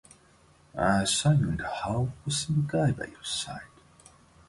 I saw you in the hall with some guy by your side.